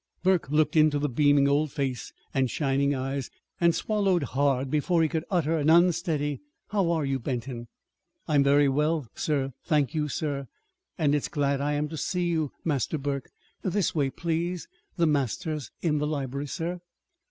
Burke looked into the beaming old face and shining eyes and swallowed hard before he could utter an unsteady "How are you, Benton?" "I'm very well, sir, thank you, sir. And it's glad I am to see you, Master Burke. This way, please. The master's in the library, sir."